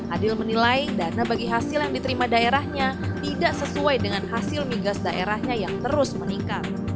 adil menilai dana bagi hasil yang diterima daerahnya tidak sesuai dengan hasil migas daerahnya yang terus meningkat